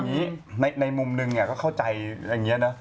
ไม่หรอกคือในมุมหนึ่งเขาเข้าใจอย่างนี้นะ